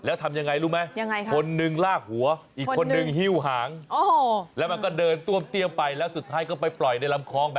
เออสไลด์ลงไปเลยอุ๊ยตรง